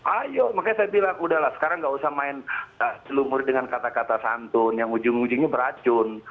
ayo makanya saya bilang udahlah sekarang nggak usah main lumur dengan kata kata santun yang ujung ujungnya beracun